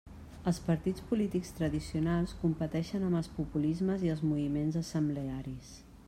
Els partits polítics tradicionals competeixen amb els populismes i els moviments assemblearis.